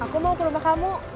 aku mau ke rumah kamu